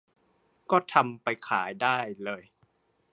ก็ทำไปขายได้เลย